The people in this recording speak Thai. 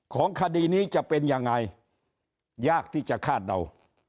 ของคดีนี้จะเป็นยังไงยากที่จะคาดเดา